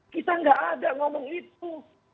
kita nggak ada ngomong itu